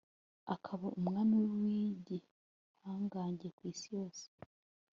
akaba umwami w'igihangange ku isi yose